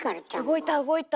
動いた動いた。